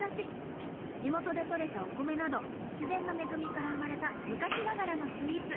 地元でとれたお米など自然の恵みから生まれた昔ながらのスイーツ。